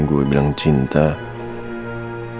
terima kasih tuhan